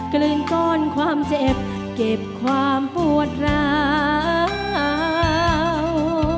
กลืนก้อนความเจ็บเก็บความปวดร้าว